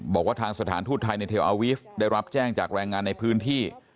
บอกว่าทางสถานทูตไทยในเทลอาวีฟได้รับแจ้งจากแรงงานในพื้นที่